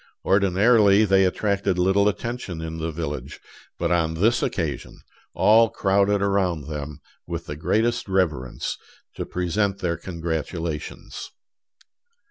Ordinarily they attracted little attention in the village; but on this occasion all crowded around them with the greatest reverence, to present their congratulations.